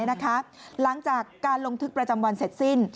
หลังจากการลงทึกประจำวันเสร็จสิ้น